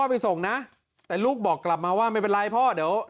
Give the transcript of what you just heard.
ไปส่งนะแต่ลูกบอกกลับมาว่าไม่เป็นไรพ่อเดี๋ยว